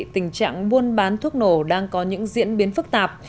tình trạng buôn bán thuốc nổ đang có những diễn biến phức tạp